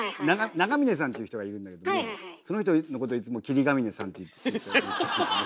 永峰さんっていう人がいるんだけどもその人のことをいつも霧ヶ峰さんって言ったり。